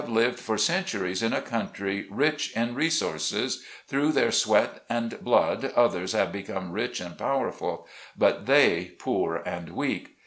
lived for centuries in a country rich in resources; through their sweat and blood others have become rich and powerful, but they poor and weak.